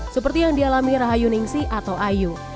seperti yang dialami rahayu ningsi atau ayu